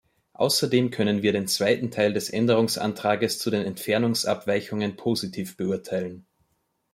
Außerdem können wir den zweiten Teil des Änderungsantrags zu den Entfernungsabweichungen positiv beurteilen.